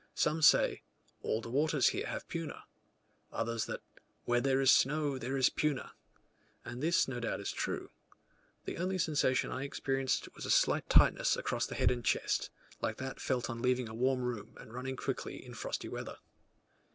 Some say "all the waters here have puna;" others that "where there is snow there is puna;" and this no doubt is true. The only sensation I experienced was a slight tightness across the head and chest, like that felt on leaving a warm room and running quickly in frosty weather.